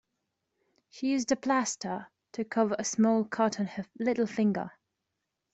She used a plaster to cover a small cut on her little finger